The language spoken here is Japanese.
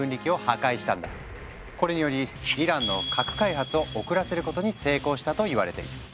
これによりイランの核開発を遅らせることに成功したといわれている。